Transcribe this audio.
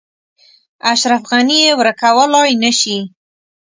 اشرف غني یې ورکولای نه شي.